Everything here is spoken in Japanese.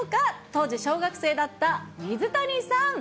当時、小学生だった水谷さん！